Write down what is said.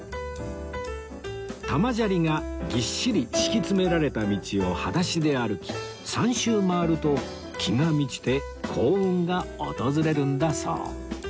玉砂利がぎっしり敷き詰められた道を裸足で歩き３周回ると気が満ちて幸運が訪れるんだそう